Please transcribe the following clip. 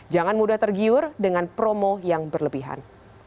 jangan mudah tergiur dengan promo yang berlebihan